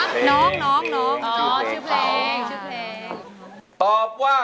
ชื่อเพลงชื่อเพลง